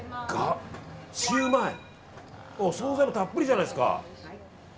シューマイ、お総菜もたっぷりじゃないですか。